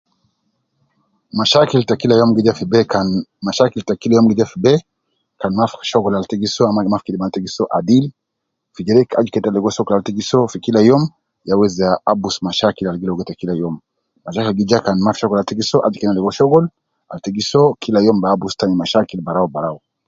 Mashakil te kila youm gi ja fi be kan mashakil te kila youm gi ja fi be kan maf shoghol ab ta gi soo, mafi kidima ab ta gi soo adil, gi jede aju keta ligo kazi ab ta gi soo fi kila youm ab gi weza abus mashakil ab ta gi ligo kila youm, mashakil te gi ligo shoghol ab ta gi soo, aju kena ligo shoghol kila youm je abus ina min mashakil